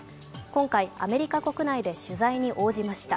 今回、アメリカ国内で取材に応じました。